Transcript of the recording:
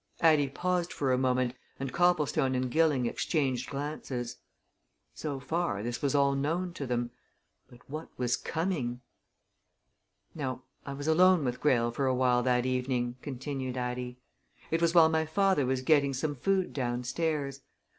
Addie paused for a moment, and Copplestone and Gilling exchanged glances. So far, this was all known to them but what was coming? "Now, I was alone with Greyle for awhile that evening," continued Addie. "It was while my father was getting some food downstairs.